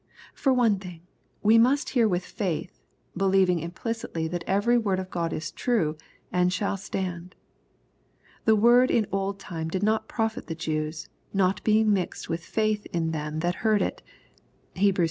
For one thing, we must hear with faith, believing implicitly that every word of God is true, and shall stand. The word in old time did not profit the Jews, " not being mixed with faith in them that heard it." (Heb. iv.